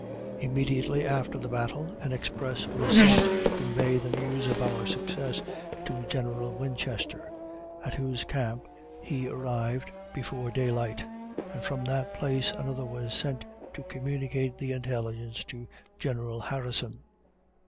Immediately after the battle an express was sent to convey the news of our success to General Winchester, at whose camp he arrived before daylight; and from that place another was sent to communicate the intelligence to General Harrison.